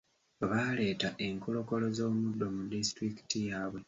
Baaleeta enkolokolo z'omuddo mu disitulikiti yaabwe.